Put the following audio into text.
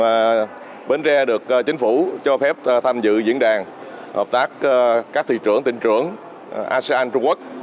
đây cũng là lần đầu tiên bến tre được chính phủ cho phép tham dự diễn đàn hợp tác các thị trưởng tỉnh trưởng asean trung quốc